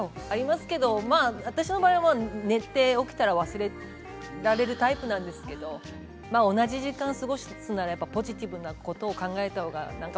ありますよ、私の場合は寝て起きて忘れられるタイプなんですけど同じ時間過ごすならポジティブなこと考えたほうが。